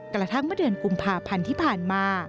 กระทั่งเมื่อเดือนกุมภาพันธ์ที่ผ่านมา